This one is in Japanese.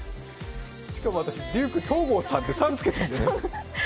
しかも私デューク東郷さんって「さん」をつけてたね。